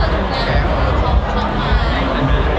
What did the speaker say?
ดูเสนอในโอเคอย่างบ้าง